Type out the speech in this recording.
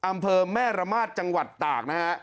อำเภอแม่ระมาทจังหวัดตากนะฮะ